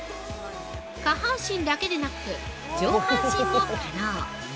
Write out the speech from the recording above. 下半身だけでなく、上半身も可能。